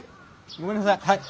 ごめんなさいはい。